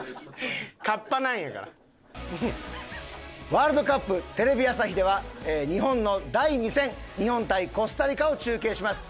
ワールドカップテレビ朝日では日本の第２戦日本対コスタリカを中継します。